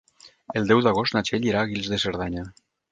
El deu d'agost na Txell irà a Guils de Cerdanya.